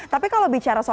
tapi kalau bicara soal